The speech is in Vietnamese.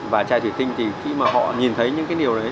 và chai thủy tinh thì khi mà họ nhìn thấy những cái điều đấy